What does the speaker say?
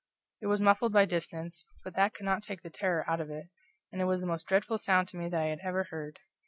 It was muffled by distance, but that could not take the terror out of it, and it was the most dreadful sound to me that I had ever heard.